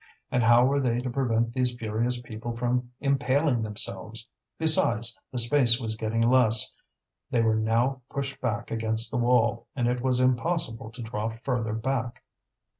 And how were they to prevent these furious people from impaling themselves? Besides, the space was getting less; they were now pushed back against the wall, and it was impossible to draw further back.